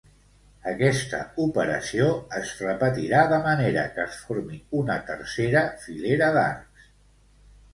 Aquesta operació es repetirà de manera que es formi una tercera filera d'arcs.